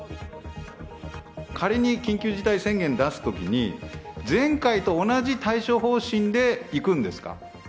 仮に緊急事態宣言出すときに、前回と同じ対処方針でいくんですか。